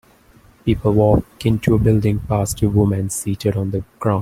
People walk into a building past a woman seated on the ground.